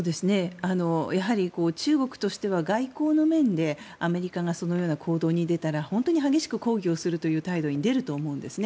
やはり中国としては外交の面でアメリカがそのような行動に出たら本当に激しく抗議するという態度に出ると思うんですね。